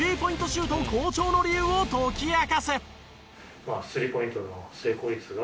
シュート好調の理由を解き明かす。